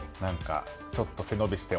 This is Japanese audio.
ちょっと背伸びして。